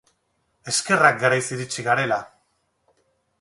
Eskerrak garaiz iritsi garela!